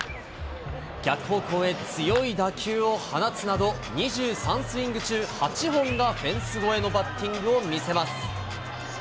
逆方向へ強い打球を放つなど、２３スイング中８本がフェンス越えのバッティングを見せます。